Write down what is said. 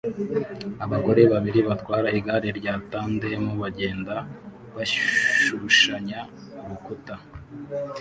Abagore babiri batwara igare rya tandem bagenda bashushanya urukuta